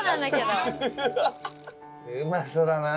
うまそうだな。